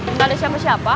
enggak ada siapa siapa